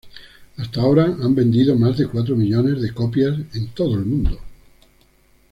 Hasta ahora ha vendido más de cuatro millones de copias en todo el mundo.